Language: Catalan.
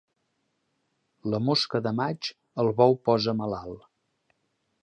La mosca de maig, el bou posa malalt.